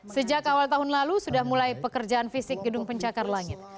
sejak awal tahun lalu sudah mulai pekerjaan fisik gedung pencakar langit